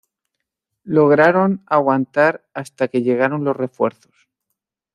Lograron aguantar hasta que llegaron los refuerzos.